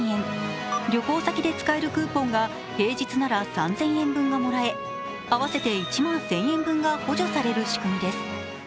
旅行先で使えるクーポンが平日なら３０００円分がもらえ合わせて１万１０００円分が補助される仕組みです。